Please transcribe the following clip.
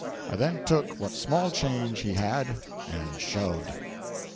I then took what small change he had and "shoved".